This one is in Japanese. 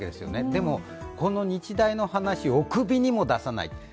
でもこの日大の話をおくびにも出さない。